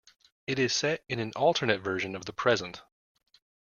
It is set in an alternate version of the present.